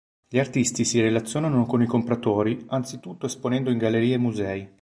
Gli artisti si relazionano con i compratori anzitutto esponendo in gallerie e musei.